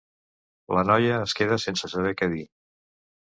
La noia es queda sense saber què dir.